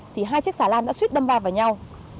thì hai chiếc xà lan đã suýt đâm vào nhau